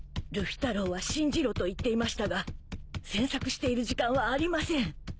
ルフィ太郎は信じろと言っていましたが詮索している時間はありません。